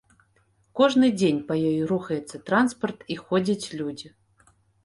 Кожны дзень па ёй рухаецца транспарт і ходзяць людзі.